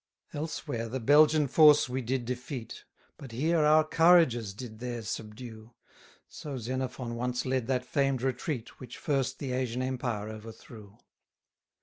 93 Elsewhere the Belgian force we did defeat, But here our courages did theirs subdue: So Xenophon once led that famed retreat, Which first the Asian empire overthrew.